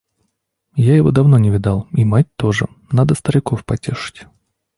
Я его давно не видал, и мать тоже; надо стариков потешить.